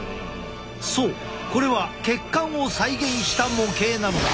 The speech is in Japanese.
そうこれは血管を再現した模型なのだ。